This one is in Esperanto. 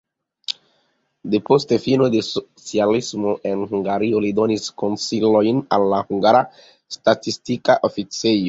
Depost fino de socialismo en Hungario li donis konsilojn al la hungara statistika oficejo.